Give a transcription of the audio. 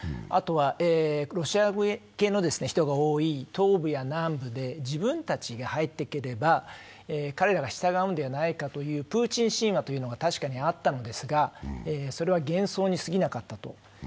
あとはロシア系の人が多い東部や南部で自分たちが入っていけば彼らが従うのではないかというプーチン神話というのが確かにあったのですがそれは幻想にすぎなかったと。